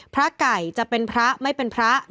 พระไก่จะเป็นพระไม่เป็นพระ